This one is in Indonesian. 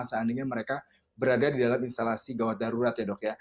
seandainya mereka berada di dalam instalasi gawat darurat ya dok ya